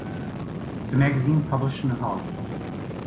The magazine published an apology.